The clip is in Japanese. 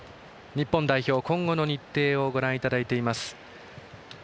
日本代表、今後の日程をご覧いただいています。